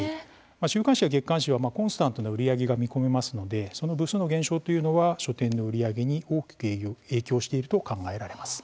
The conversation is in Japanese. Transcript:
週刊誌や月刊誌はコンスタントな売り上げが見込めますのでその部数の減少というのは書店の売り上げに大きく影響していると考えられます。